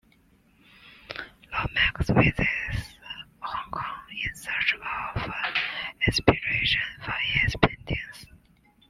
Lomax visits Hong Kong in search of inspiration for his paintings.